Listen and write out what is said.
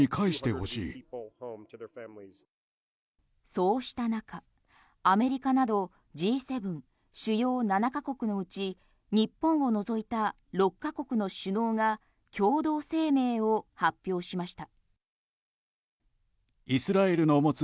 そうした中アメリカなどＧ７・主要７カ国のうち日本を除いた６か国の首脳が共同声明を発表しました。